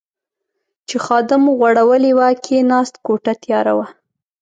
چې خادم غوړولې وه، کېناست، کوټه تیاره وه.